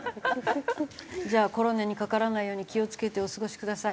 じゃあコロナにかからないように気を付けてお過ごしください。